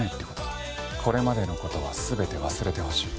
これまでの事は全て忘れてほしい。